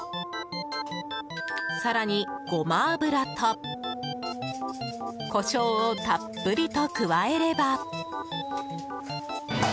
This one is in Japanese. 更に、ゴマ油とコショウをたっぷりと加えれば。